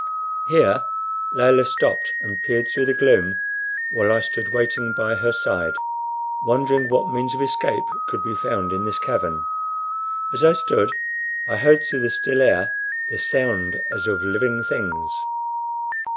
Here Layelah stopped and peered through the gloom while I stood waiting by her side, wondering what means of escape could be found in this cavern. As I stood I heard through the still air the sound as of living things.